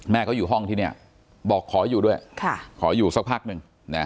เขาอยู่ห้องที่นี่บอกขออยู่ด้วยขออยู่สักพักหนึ่ง